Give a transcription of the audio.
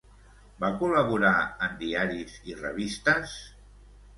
Va col·laborar en diaris i revistes?